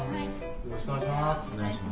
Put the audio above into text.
よろしくお願いします。